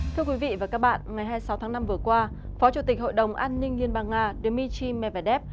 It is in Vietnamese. thưa quý vị và các bạn ngày hai mươi sáu tháng năm vừa qua phó chủ tịch hội đồng an ninh liên bang nga dmitry medvedev